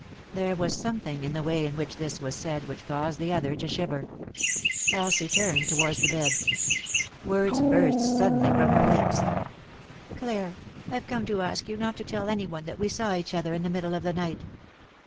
There was something in the way in which this was said which caused the other to shiver. Elsie turned towards the bed ; words burst suddenly from her lips. "Clare, I've come to ask you not to tell any one that we saw each other in the middle of the night."